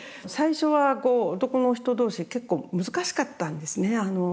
最初は男の人同士結構難しかったんですね。